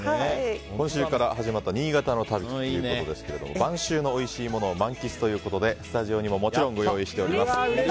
今週から始まった新潟の旅ということですが晩秋のおいしいものを満喫ということでスタジオにももちろんご用意しております。